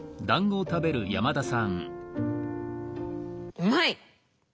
うまい！